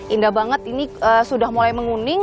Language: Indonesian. indah banget ini sudah mulai menguning